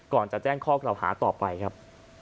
ก่อนจะแจ้งข้อกล่าวหาต่อไปครับ